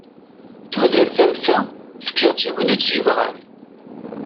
Tudert am ta, fkiɣ-tt i win i tt-yebɣan.